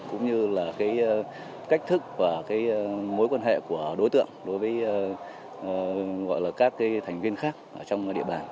cũng như là cái cách thức và cái mối quan hệ của đối tượng đối với các thành viên khác trong địa bàn